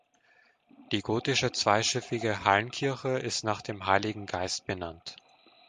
Die gotische zweischiffige Hallenkirche ist nach dem Heiligen Geist benannt.